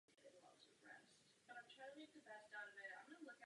Na záchraně kostela se podílelo "Občanské sdružení Královský stolec".